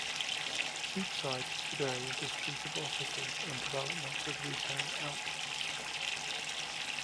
Cheapside today is a street of offices and developments of retail outlets.